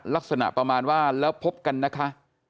ลักษณะประมาณว่าแล้วพบกันนะคะ